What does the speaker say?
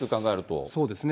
そうですね。